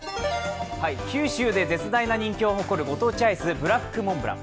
九州で絶大な人気を誇るご当地アイス、ブラックモンブラン。